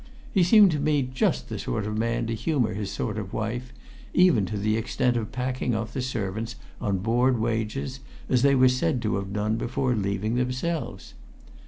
He seemed to me just the sort of man to humour his sort of wife, even to the extent of packing off the servants on board wages, as they were said to have done before leaving themselves.